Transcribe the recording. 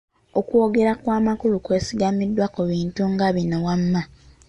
Okwogera okw'amakulu kwesigamiziddwa ku bintu nga bino wammanga: